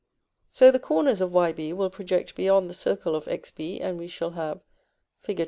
So the corners of Yb will project beyond the circle of Xb, and we shall have (Fig.